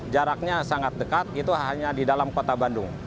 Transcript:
jaraknya sangat dekat itu hanya di dalam kota bandung